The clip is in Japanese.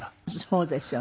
そうですよね。